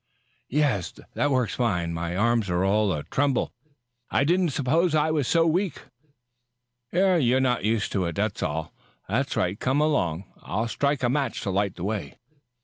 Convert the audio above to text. "Yes, that works fine. My arms are all a tremble. I didn't suppose I was so weak?" "You are not used to it, that's all. That's right; come along. I'll strike a match to light the way."